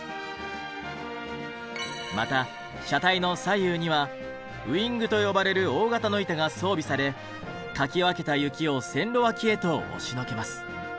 また車体の左右にはウィングと呼ばれる大型の板が装備されかき分けた雪を線路脇へと押しのけます。